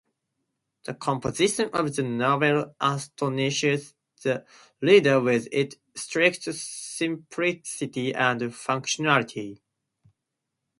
The composition of the novel astonishes the reader with its strict simplicity and functionality.